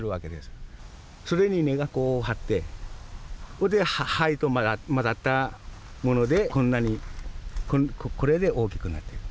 それに根が張ってそれで灰と混ざったものでこんなにこれで大きくなってる。